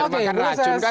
termahkan racun kah